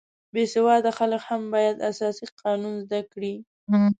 بې سواده خلک هم باید اساسي حقوق زده کړي